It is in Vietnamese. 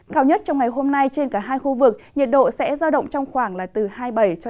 cao nhất trong ngày hôm nay trên cả hai khu vực nhiệt độ sẽ giao động trong khoảng là từ hai mươi bảy hai mươi chín độ